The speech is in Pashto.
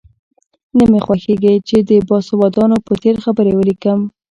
نه مې خوښېږي چې د باسوادانو په څېر خبرې ولیکم.